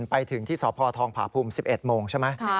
มันไปถึงที่สพทภภูมิสิบเอ็ดโมงใช่ไหม